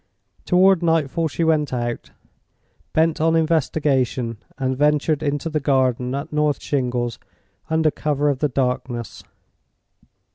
Toward nightfall she went out, bent on investigation, and ventured into the garden at North Shingles under cover of the darkness.